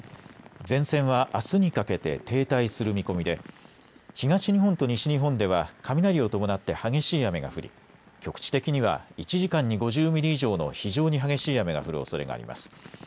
前線はあすにかけて停滞する見込みで東日本と西日本では雷を伴って激しい雨が降り局地的には１時間に５０ミリ以上の非常に激しい雨が降るおそれがあります。